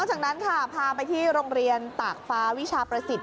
จากนั้นค่ะพาไปที่โรงเรียนตากฟ้าวิชาประสิทธิ